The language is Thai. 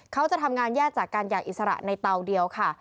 เขาจะทำงานแยกจากกันอย่างอิสระในเตาเดียวค่ะ